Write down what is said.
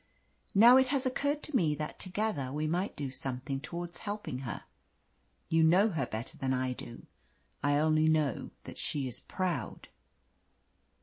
Now, it has occurred to me that together we might do something towards helping her. You know her better than I do. I only know that she is proud."